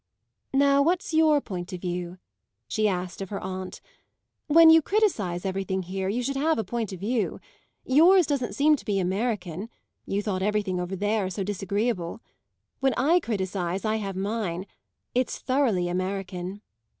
"Now what's your point of view?" she asked of her aunt. "When you criticise everything here you should have a point of view. Yours doesn't seem to be American you thought everything over there so disagreeable. When I criticise I have mine; it's thoroughly American!"